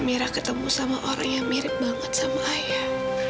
mira ketemu sama orang yang mirip banget sama ayah